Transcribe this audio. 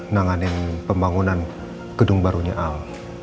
nanganin pembangunan gedung barunya al